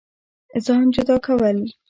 ځان جدا كول